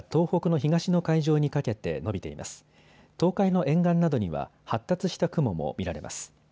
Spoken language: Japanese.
東海の沿岸などには発達した雲も見られます。